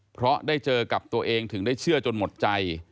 เพราะได้เจอกับตัวเองถึงได้เชื่อจนหมดใจ